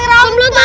satu dua tiga